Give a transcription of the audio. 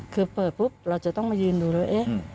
คือเปิดปุ๊บเราจะต้องมายื่นดูเลย